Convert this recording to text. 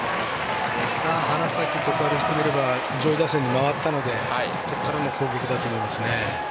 花咲徳栄にしてみれば上位打線に回ったのでここからの攻撃だと思います。